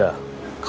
kamu ulang saja